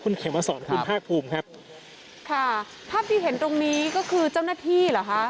คุณเขียววัสดณ์คุณพ่าคลุมครับค่ะภาพที่เห็นตรงนี้ก็คือเจ้าหน้าที่หรอคะ